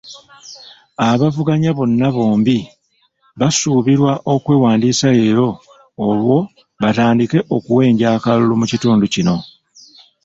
Abavuganya bano bombi basuubirwa okwewandiisa leero olwo batandike okuwenja akalulu mu kitundu kino.